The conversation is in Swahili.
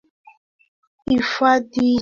hifadhi ni makazi ya kudumu ya wanyama pori